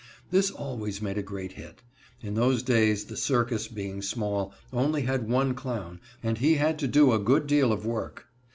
This always made a great hit. In those days the circus, being small, only had one clown, and he had to do a good deal of work.